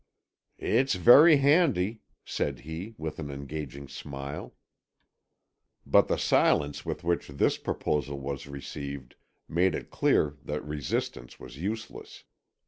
"It's very handy," said he with an engaging smile. But the silence with which this proposal was received made it clear that resistance was useless.